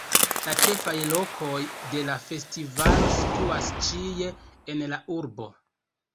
La ĉefaj lokoj de la festivalo situas ĉie en la urbo.